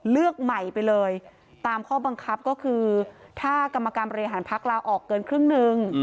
เลือกใหม่ไปเลยตามข้อบังคับก็คือถ้ากรรมการบริหารพักลาออกเกินครึ่งหนึ่ง